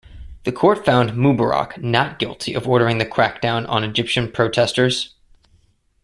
The court found Mubarak not guilty of ordering the crackdown on Egyptian protesters.